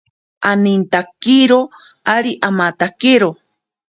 Anintakiro ari amatakero.